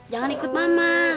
jangan ikut mama